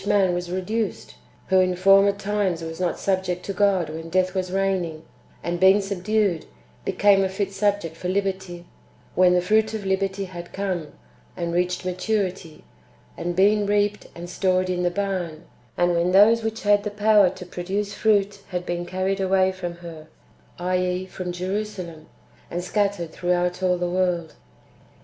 an was reduced, who in former times was not subject to God when death w^as reigning, and being subdued, became a fit subject for liberty), wdien the fruit of liberty had come, and reached maturity, and been reaped and stored in the barn, and when those which had the power to produce fruit had been carried away from her [i.e. from Jerusalem], and scattered throughout all the world.